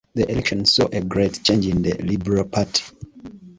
The election saw a great change in the Liberal Party.